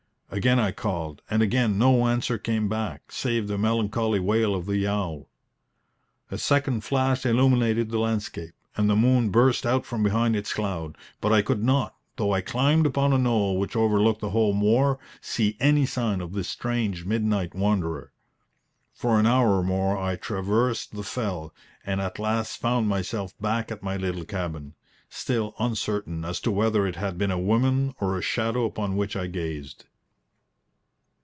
Again I called, and again no answer came back, save the melancholy wail of the owl. A second flash illuminated the landscape, and the moon burst out from behind its cloud. But I could not, though I climbed upon a knoll which overlooked the whole moor, see any sign of this strange midnight wanderer. For an hour or more I traversed the fell, and at last found myself back at my little cabin, still uncertain as to whether it had been a woman or a shadow upon which I gazed.